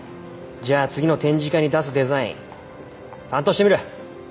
じゃあ次の展示会に出すデザイン担当してみる？